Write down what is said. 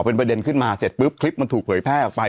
เป็นประเด็นขึ้นมาเสร็จปุ๊บคลิปมันถูกเผยแพร่ออกไป